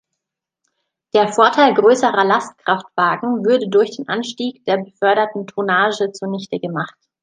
Der Vorteil größerer Lastkraftwagen würde durch den Anstieg der beförderten Tonnage zunichte gemacht.